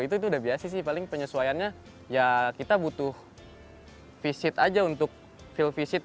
itu udah biasa sih paling penyesuaiannya ya kita butuh visit aja untuk feel visit